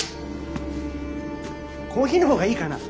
コーヒーのほうがいいかな？